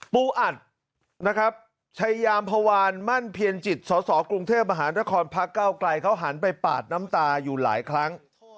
ปูอัตที่ชายยามภาวานมั่นเผียนจิตสกรุงเทพมหานครพรก้าวกลายเข้าหันไปปาดน้ำตาอยู่หลายครั้ง